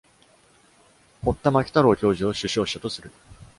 堀田牧太郎教授を主唱者とする。